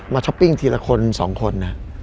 ช้อปปิ้งทีละคน๒คน